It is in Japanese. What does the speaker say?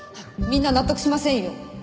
みんな納得しませんよ。